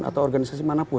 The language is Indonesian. atau organisasi mana pun